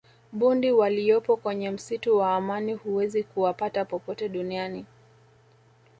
bundi waliyopo kwenye msitu wa amani huwezi kuwapata popote duniani